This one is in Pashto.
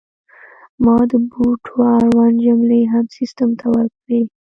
ما د بوټو اړوند جملې هم سیستم ته ورکړې.